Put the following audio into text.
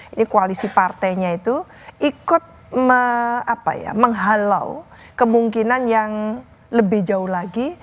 ini koalisi partainya itu ikut menghalau kemungkinan yang lebih jauh lagi